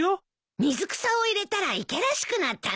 水草を入れたら池らしくなったね。